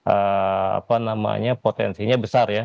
apa namanya potensinya besar ya